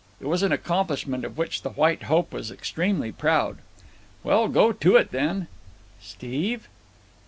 It was an accomplishment of which the White Hope was extremely proud. "Well, go to it, then." "Steve."